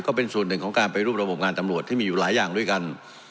ก็เป็นส่วนหนึ่งของการไปรูประบบงานตำรวจที่มีอยู่หลายอย่างด้วยกัน